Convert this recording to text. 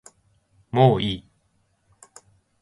もういい